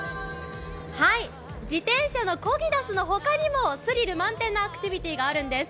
自転車のコギダスの他にもスリル満点なアクティビティーがあるんです。